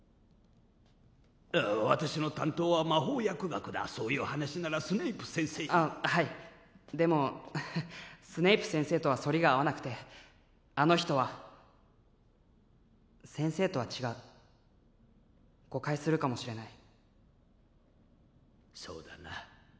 ああ私の担当は魔法薬学だそういう話ならスネイプ先生にああはいでもスネイプ先生とはそりが合わなくてあの人は先生とは違う誤解するかもしれないそうだな